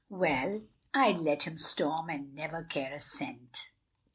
"Well, I'd let him storm and never care a cent."